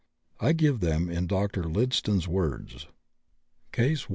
I give them in Dr. Lydston's words: CASE I.